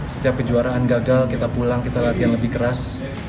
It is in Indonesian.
setiap kejuaraan gagal kita pulang kita latihan lebih keras